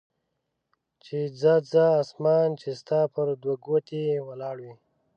چې ځه ځه اسمان چې ستا پر دوه ګوتې ولاړ وي.